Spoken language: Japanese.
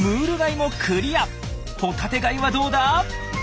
ホタテガイはどうだ？